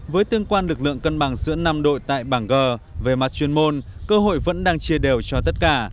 với tương quan lực lượng cân bằng giữa năm đội tại bảng g về mặt chuyên môn cơ hội vẫn đang chia đều cho tất cả